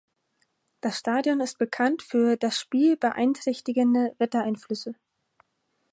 Das Stadion ist bekannt für das Spiel beeinträchtigende Wettereinflüsse.